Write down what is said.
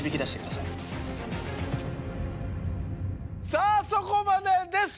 さぁそこまでです！